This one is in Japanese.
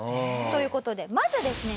という事でまずですね